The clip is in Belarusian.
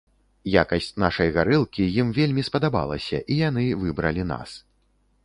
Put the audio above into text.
Якасць нашай гарэлкі ім вельмі спадабалася і яны выбралі нас.